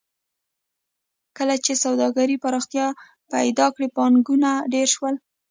کله چې سوداګرۍ پراختیا پیدا کړه بانکونه ډېر شول